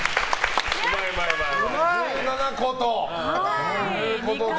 １７個ということで。